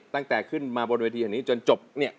ตั้งแต่ขึ้นมาบนเวทีแห่งนี้จนจบเนี่ย